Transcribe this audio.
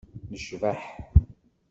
Necbeḥ.